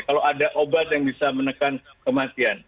kalau ada obat yang bisa menekan kematian